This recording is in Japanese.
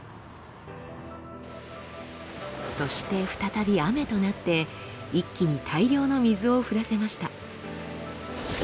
そして再び雨となって一気に大量の水を降らせました。